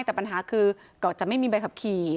แต่ปัญหัวก็จะไม่มีใบขับขี่